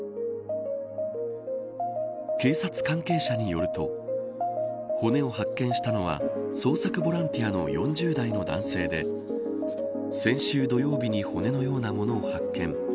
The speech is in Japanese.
警察関係者によると骨を発見したのは捜索ボランティアの４０代の男性で先週土曜日に骨のようなものを発見。